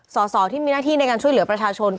สอสอที่มีหน้าที่ในการช่วยเหลือประชาชน